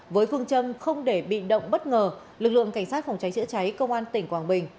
với phương châm không để bị động bất ngờ lực lượng cảnh sát phòng cháy chữa cháy công an tỉnh quảng bình